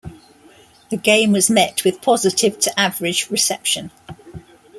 The game was met with positive to average reception.